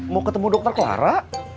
mau ketemu dokter clara